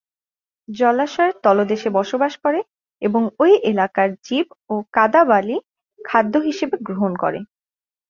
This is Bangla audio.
জলাশয়ের তলদেশে বসবাস করে এবং ঐ এলাকার জীব ও কাঁদা-বালি খাদ্য হিসেবে গ্রহণ করে।